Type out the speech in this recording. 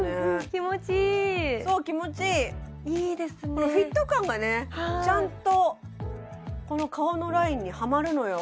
このフィット感がねちゃんとこの顔のラインにはまるのよ